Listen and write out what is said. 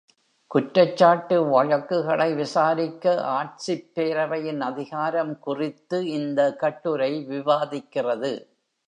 குற்றச்சாட்டு வழக்குகளை விசாரிக்க ஆட்சிப்பேரவையின் அதிகாரம் குறித்து இந்த கட்டுரை விவாதிக்கிறது.